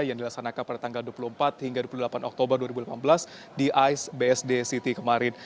yang dilaksanakan pada tanggal dua puluh empat hingga dua puluh delapan oktober dua ribu delapan belas di ais bsd city kemarin